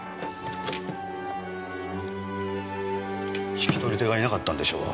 引き取り手がいなかったんでしょう。